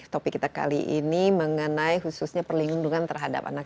topik kita kali ini mengenai khususnya perlindungan terhadap anak